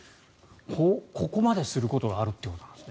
ここまですることがあるかということですね。